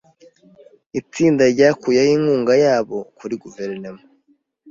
Itsinda ryakuyeho inkunga yabo kuri Guverinoma.